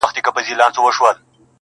د دې نوي کفن کښ کیسه جلا وه٫